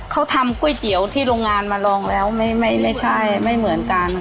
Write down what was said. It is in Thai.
เขาทำก๋วยเตี๋ยวที่โรงงานมาลองแล้วไม่ใช่ไม่เหมือนกัน